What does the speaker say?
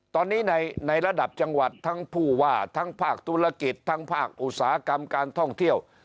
ตอนนี้ในระดับจังหวัดทั้งผู้ว่าทั้งภาคธุรกิจทั้งภาคอุตสาหกรรมการท่องเที่ยว